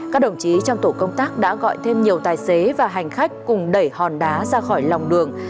các đồng chí trong tổ công tác đã gọi thêm nhiều tài xế và hành khách cùng đẩy hòn đá ra khỏi lòng đường